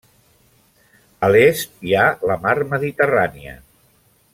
A l'est hi ha la mar Mediterrània.